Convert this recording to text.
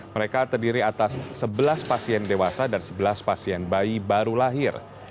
mereka terdiri atas sebelas pasien dewasa dan sebelas pasien bayi baru lahir